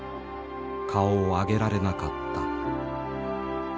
顔を上げられなかった。